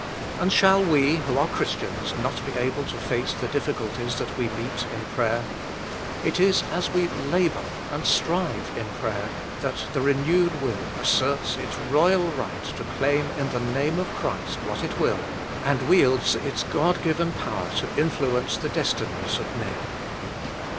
And shall we who are Christians not be able to face the difficulties that we meet in prayer ? It is as we " labour " and " strive " in prayer that the renewed will asserts its royal right to claim in the name of Christ what it will, and wields its God given power to influence the des tinies of men.